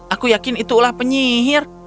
aku yakin itulah penyihir